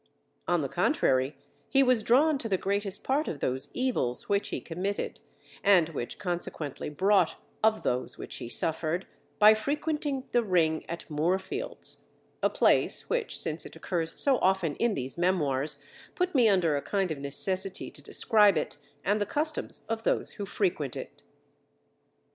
On the contrary, he was drawn to the greatest part of those evils which he committed, and which consequently brought of those which he suffered, by frequenting the ring at Moorfields a place which since it occurs so often in these memoirs, put me under a kind of necessity to describe it, and the customs of those who frequent it.